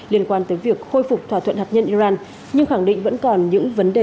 liên quan tới việc khôi phục thỏa thuận hạt nhân iran nhưng khẳng định vẫn còn những vấn đề rất khó khăn